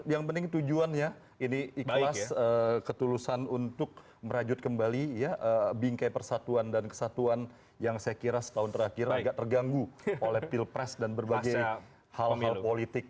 yang penting tujuannya ini ikhlas ketulusan untuk merajut kembali bingkai persatuan dan kesatuan yang saya kira setahun terakhir agak terganggu oleh pilpres dan berbagai hal hal politik